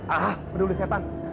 ah peduli setan